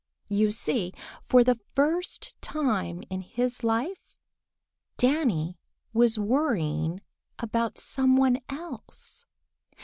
You see, for the first time in his life, Danny was worrying about some one else.